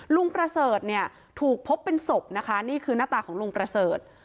ประเสริฐเนี่ยถูกพบเป็นศพนะคะนี่คือหน้าตาของลุงประเสริฐ